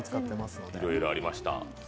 いろいろありました。